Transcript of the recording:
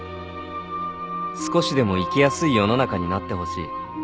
少しでも生きやすい世の中になってほしい